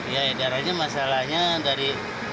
ya edarannya masalahnya dari